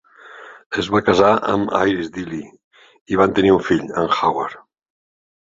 Es va casar amb Iris Dilley i van tenir un fill, en Howard.